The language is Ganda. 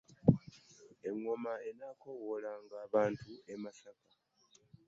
Engoma enaakowoolanga abantu e Masaka.